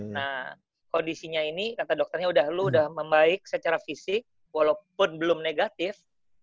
nah kondisinya ini kata dokternya udah lu udah membaik secara fisik walaupun belum negatif